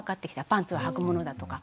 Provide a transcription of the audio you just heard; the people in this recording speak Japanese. パンツははくものだとか。